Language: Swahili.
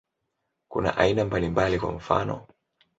Kuna aina mbalimbali, kwa mfano.